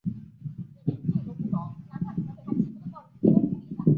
乔映伍于顺治三年中式丙戌科三甲第五名进士。